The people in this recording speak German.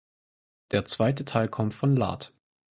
Der zweite Teil kommt von lat.